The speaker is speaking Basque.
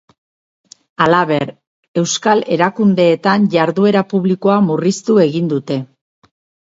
Halaber, euskal erakundeetan jarduera publikoa murriztu egin dute.